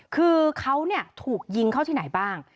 คือเขาถูกยิงเข้าที่ไหนบ้าง